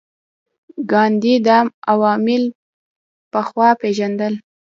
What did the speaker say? ګاندي دا عوامل پخوا پېژندل.